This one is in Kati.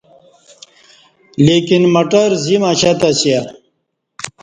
لیکن مٹر زیم اشہ تسیا